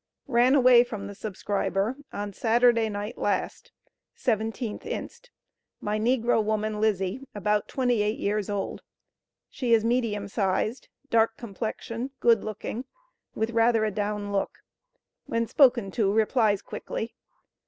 Ran away from the subscriber, on Saturday night last, 17th inst., my negro woman Lizzie, about 28 years old. She is medium sized, dark complexion, good looking, with rather a down look. When spoken to, replies quickly.